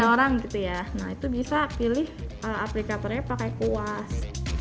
orang gitu ya nah itu bisa pilih aplikatornya pakai kuas